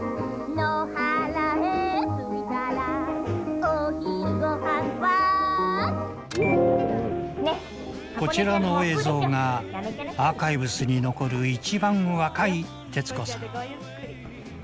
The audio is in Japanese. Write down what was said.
野原へ着いたらお昼ご飯はーこちらの映像がアーカイブスに残る一番若い徹子さん。